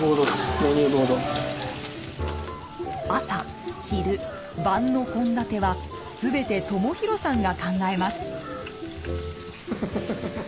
朝昼晩の献立は全て朝洋さんが考えます。